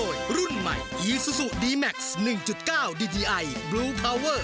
ดีทีไอบลูคาวเวอร์